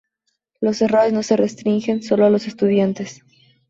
Los errores no se restringen solo a los estudiantes.